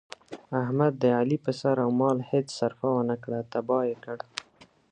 احمد د علي په سر او مال هېڅ سرفه ونه کړه، تیاه یې کړ.